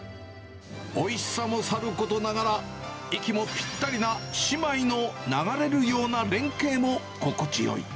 おいしさもさることながら、息もぴったりな姉妹の流れるような連携も心地よい。